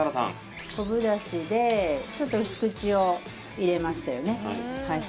昆布だしでちょっと薄口を入れましたよね。